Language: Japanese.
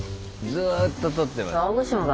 ずっと撮ってます。